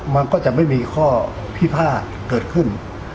มันก็จะไม่มีข้อพิพาทเกิดขึ้น